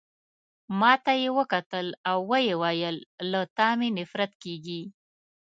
ما ته يې وکتل او ويې ویل: له تا مي نفرت کیږي.